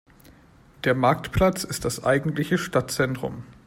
Der Marktplatz ist das eigentliche Stadtzentrum.